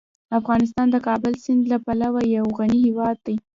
افغانستان د کابل سیند له پلوه یو غني هیواد دی.